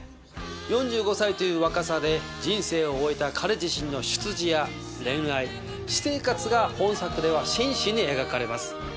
４５歳という若さで人生を終えた彼自身の出自や恋愛私生活が本作では真摯に描かれます。